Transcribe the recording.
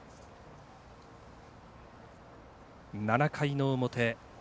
７回の表。